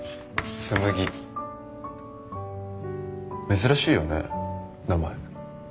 珍しいよね名前。